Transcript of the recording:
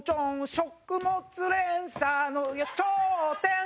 「食物連鎖の頂点」